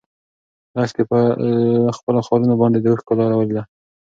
لښتې په خپلو خالونو باندې د اوښکو لاره ولیده.